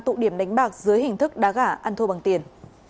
tụ điểm đánh bạc dưới hình thức đá gà ăn thua bằng tiền